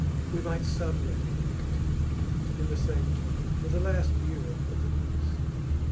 'We might sublet it,' he continued, in the same tone, 'for the last year of the lease.